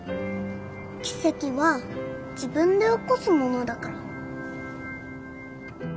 奇跡は自分で起こすものだから。